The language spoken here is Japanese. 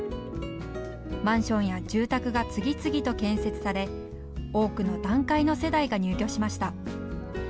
マンションや住宅が次々と建設され多くの団塊の世代が入居しました。